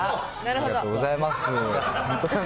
ありがとうございます。